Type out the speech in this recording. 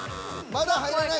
まだ入らない。